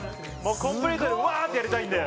コンプリートでうわ！ってやりたいんで。